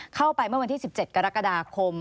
เข้าไปเมื่อวันที่๑๗กรกฎาคม